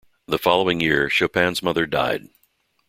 The following year, Chopin's mother died.